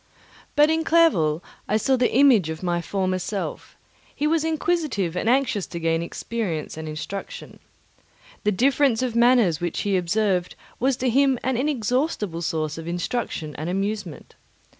But in Clerval I saw the image of my former self; he was inquisitive and anxious to gain experience and instruction. The difference of manners which he observed was to him an inexhaustible source of instruction and amusement.